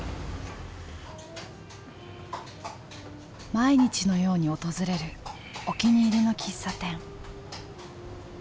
毎日のように訪れるお気に入りの喫茶店。